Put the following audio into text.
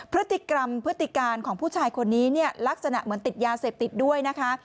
พฤติกรรมพฤติการของผู้ชายคนนี้เนี่ยลักษณะเหมือนติดยาเสพติดด้วยนะคะ